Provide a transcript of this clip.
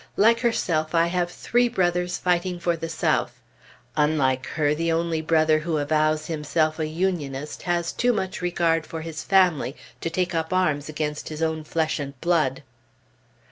Like herself, I have three brothers fighting for the South; unlike her, the only brother who avows himself a Unionist has too much regard for his family to take up arms against his own flesh and blood.